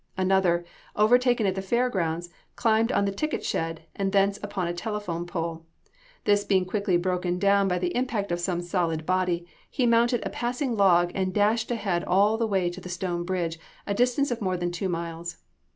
Another, overtaken at the fair grounds, climbed on the ticket shed, and thence upon a telephone pole. This being quickly broken down by the impact of some solid body, he mounted a passing log and dashed ahead all the way to the stone bridge, a distance of more than two miles.